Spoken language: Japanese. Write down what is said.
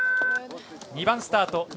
２番スタート